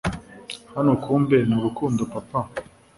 hano kumbe ni urukundo papa